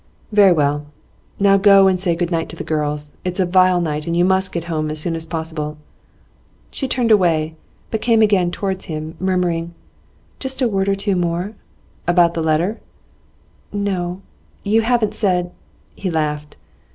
'Very well. Now go and say good night to the girls. It's a vile night, and you must get home as soon as possible.' She turned away, but again came towards him, murmuring: 'Just a word or two more.' 'About the letter?' 'No. You haven't said ' He laughed.